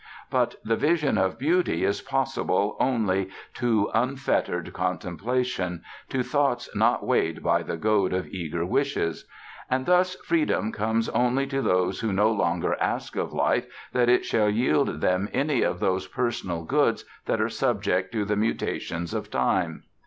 But the vision of beauty is possible only to unfettered contemplation, to thoughts not weighted by the load of eager wishes; and thus Freedom comes only to those who no longer ask of life that it shall yield them any of those personal goods that are subject to the mutations of Time.